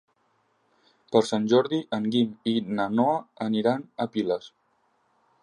Per Sant Jordi en Guim i na Noa aniran a Piles.